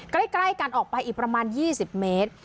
ใกล้กันออกไปอีกประมาณ๒๐เมตร